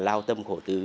lao tâm khổ tứ